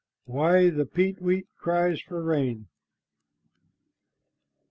WHY THE PEETWEET CRIES FOR RAIN.